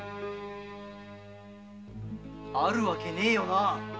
あるわけないよな。